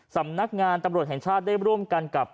สำนักงานตำรวจแห่งชาติได้ร่วมกันกับ